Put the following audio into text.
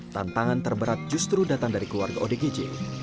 tantangan terberat justru datang dari keluarga odgj